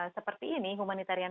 seperti ini humanitarian